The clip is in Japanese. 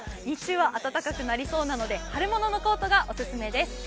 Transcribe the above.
日中は暖かくなりそうなので、春物のコートがお勧めです。